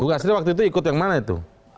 tidak setuju waktu itu ikut yang mana itu